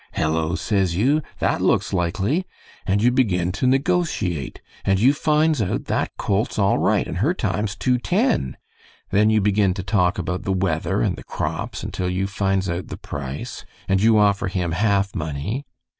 'Hello,' says you, 'that looks likely,' and you begin to negotiate, and you finds out that colt's all right and her time's two ten. Then you begin to talk about the weather and the crops until you finds out the price, and you offer him half money.